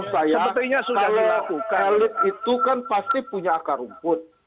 kalau elit itu kan pasti punya akar rumput